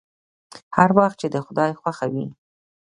هر وخت چې د خداى خوښه وي.